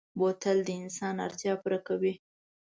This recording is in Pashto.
بوتل د انسان اړتیا پوره کوي.